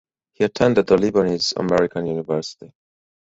He attended the Lebanese American University.